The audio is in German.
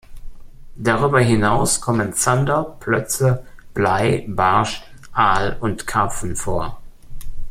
Darüber hinaus kommen Zander, Plötze, Blei, Barsch, Aal und Karpfen vor.